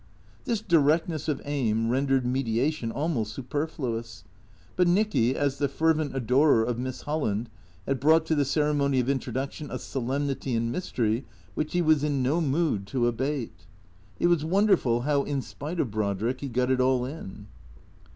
This directness of aim rendered mediation almost superfluous. But Nicky, as the fervent adorer of Miss Holland, had brought to the ceremony of introduction a solemnity and mystery which he was in no mood to abate. It was wonderful how in spite of Brodrick he got it all in.